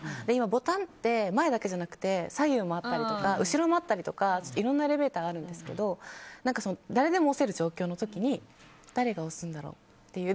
ボタンって前だけじゃなくて左右もあったり後ろもあったりして、いろんなエレベーターあるんですけど誰でも押せる状況の時に誰が押すんだろうという。